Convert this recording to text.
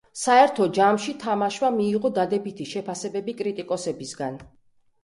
საერთო ჯამში თამაშმა მიიღო დადებითი შეფასებები კრიტიკოსებისგან.